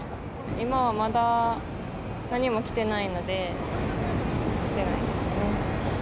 今はまだ何も来てないので、打てないですね。